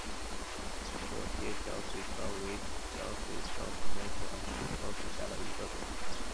阔节角水蚤为角水蚤科角水蚤属下的一个种。